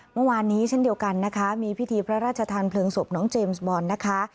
เมื่อวานนี้เช่นเดียวกันนะคะมีพิธีพระราชทานเพลิงศพน้องเจมส์บอลนะคะ